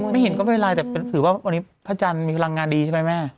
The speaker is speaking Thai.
ไม่เห็นก็ไม่เป็นไรแต่ถือว่าวันนี้พระจันทร์มีพลังงานดีใช่ไหมแม่